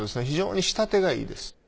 非常に仕立てがいいです。